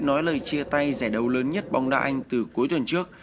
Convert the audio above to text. nói lời chia tay rẻ đầu lớn nhất bóng đá anh từ cuối tuần trước